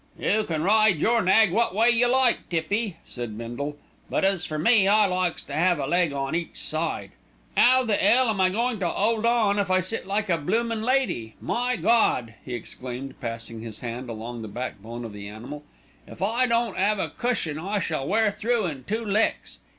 "You can ride your nag wot way you like, Tippy," said Bindle; "but as for me, I likes to 'ave a leg each side. 'Ow the 'ell am I goin' to 'old on if I sit like a bloomin' lady. My Gawd!" he exclaimed, passing his hand along the backbone of the animal, "if I don't 'ave a cushion I shall wear through in two ticks.